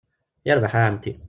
Yarbaḥ a Ɛemti.